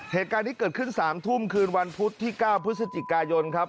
เหตุการณ์นี้เกิดขึ้น๓ทุ่มคืนวันพุธที่๙พฤศจิกายนครับ